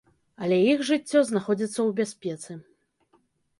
Але іх жыццё знаходзіцца ў бяспецы.